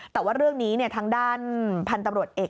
แต่ว่าเรื่องนี้ทางด้านพันธุ์ตำรวจเอก